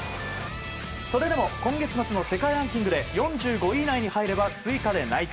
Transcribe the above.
それでも今月末の世界ランキングで４５位以内に入れば追加で内定。